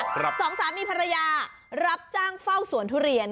สองสามีภรรยารับจ้างเฝ้าสวนทุเรียน